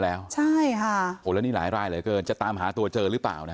แล้วนี่หลายเหลือเกินจะตามหาตัวเจอหรือเปล่า